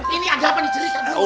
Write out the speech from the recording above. ini ada apa nih cerita